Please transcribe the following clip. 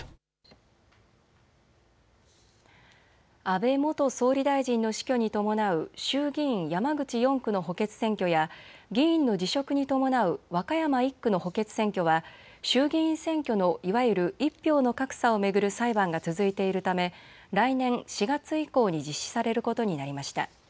安倍元総理大臣の死去に伴う衆議院山口４区の補欠選挙や議員の辞職に伴う和歌山１区の補欠選挙は衆議院選挙のいわゆる１票の格差を巡る裁判が続いているため来年４月以降に実施されることになりました。